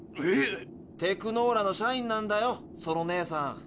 えっ⁉テクノーラの社員だよそのねえさん。